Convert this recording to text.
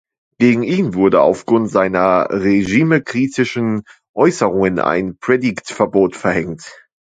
Gegen ihn wurde auf Grund seiner regimekritischen Äußerungen ein Predigtverbot verhängt.